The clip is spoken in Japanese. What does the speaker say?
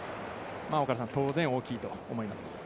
岡田さん、当然、大きいと思います。